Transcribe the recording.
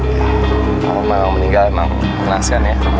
ya kalau mau meninggal emang menelaskan ya